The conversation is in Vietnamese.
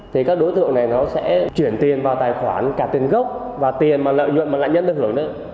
thì các đối tượng này nó sẽ chuyển tiền vào tài khoản cả tiền gốc và tiền lợi nhuận mà nạn nhân được hưởng lợi